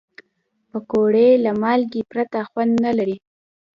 پکورې له مالګې پرته خوند نه لري